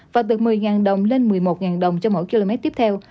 và từ một mươi đồng lên một mươi một đồng cho mỗi km tiếp theo